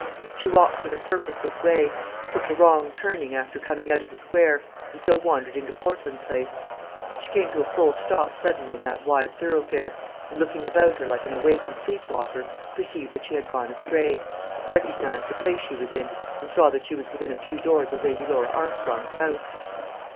She walked in a purposeless way, took the wrong turning after coming out of the square, and so wandered into Portland place. She came to a full stop suddenly in that wide thoroughfare, and looking about her like an awakened sleep walker, perceived that she had gone astray recognised the place she was in, and saw that she was within a few doors of Lady Laura Armstrong's house.